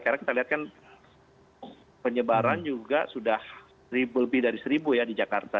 karena kita lihat kan penyebaran juga sudah lebih dari seribu ya di jakarta